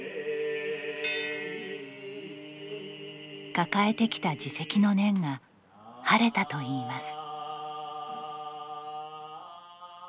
抱えてきた自責の念が晴れたといいます。